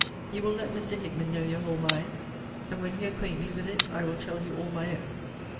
You will let Mr. Hickman know your whole mind; and when he acquaint me with it, I will tell you all my own.